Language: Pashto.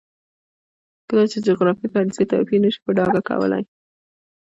کله چې د جغرافیې فرضیه توپیر نه شي په ډاګه کولی.